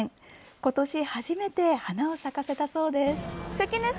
ことし初めて花を咲かせたそうです。